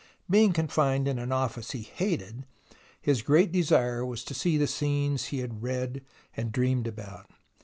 Being confined in an office he hated, his great desire was to see the scenes he had read and dreamed about.